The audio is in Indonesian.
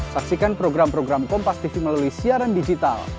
saksikan program program kompastv melalui siaran digital